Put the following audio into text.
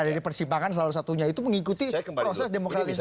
dari persibangan salah satunya itu mengikuti proses demokrasi